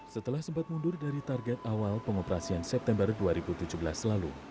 setelah sempat mundur dari target awal pengoperasian september dua ribu tujuh belas lalu